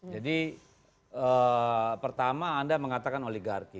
jadi pertama anda mengatakan oligarki